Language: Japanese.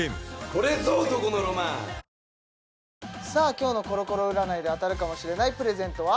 今日のコロコロ占いで当たるかもしれないプレゼントは？